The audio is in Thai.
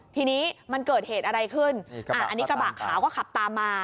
ทีนี้มันเกิดเหตุอะไรขึ้นอันนี้กระบะขาวก็ขับตามมา